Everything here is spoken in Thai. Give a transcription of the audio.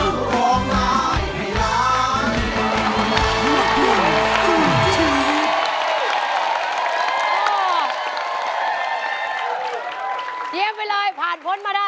ร้องได้ร้องได้